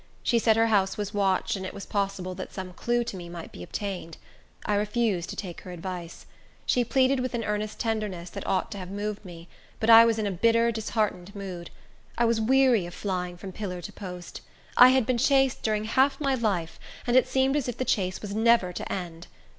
She said her house was watched, and it was possible that some clew to me might be obtained. I refused to take her advice. She pleaded with an earnest tenderness, that ought to have moved me; but I was in a bitter, disheartened mood. I was weary of flying from pillar to post. I had been chased during half my life, and it seemed as if the chase was never to end.